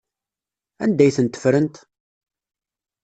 Anda ay tent-ffrent?